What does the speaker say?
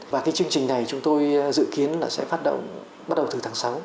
và cái chương trình này chúng tôi dự kiến là sẽ phát động bắt đầu từ tháng sáu